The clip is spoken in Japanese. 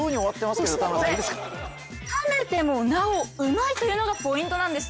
そしてこれ冷めてもなおうまいというのがポイントなんです